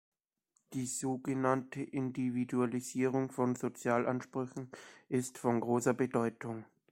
Die sogenannte Individualisierung von Sozialansprüchen ist von großer Bedeutung.